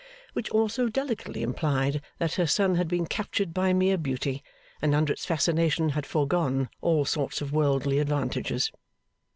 Which also delicately implied that her son had been captured by mere beauty, and under its fascination had forgone all sorts of worldly advantages.